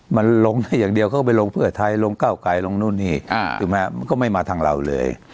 มันลงได้อย่างเดียวเขาก็ไปลงเพื่อไทยลงเก้าไกลลงนู่นนี่ถูกไหมมันก็ไม่มาทางเราเลย